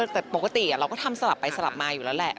แต่ปกติเราก็ทำสลับไปสลับมาอยู่แล้วแหละ